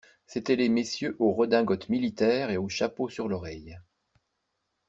C'étaient les messieurs aux redingotes militaires et aux chapeaux sur l'oreille.